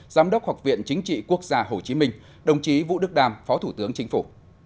giám đốc học viện chính trị quốc gia hồ chí minh đồng chí vũ đức đam phó thủ tướng chính phủ